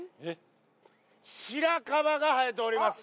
白樺が生えております。